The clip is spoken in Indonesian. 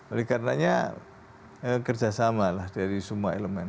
oleh karenanya kerjasama lah dari semua elemen